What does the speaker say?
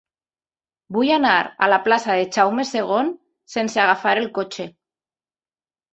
Vull anar a la plaça de Jaume II sense agafar el cotxe.